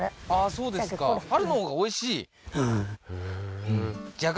そうですか春の方が美味しい？